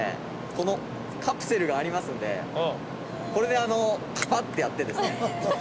このカプセルがありますのでこれでカパッてやってですね